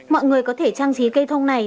mọi người có thể trang trí cây thông này